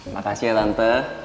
makasih ya tante